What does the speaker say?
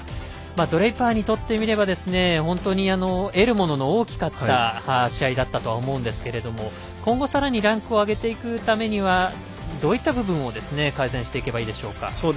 ドレイパーにとって見れば得るものの大きかった試合だったと思うんですけれども今後、さらにランクを上げていくためにはどういった部分を改善していけばいいでしょうか。